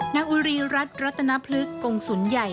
อุรีรัฐรัตนพลึกกงศูนย์ใหญ่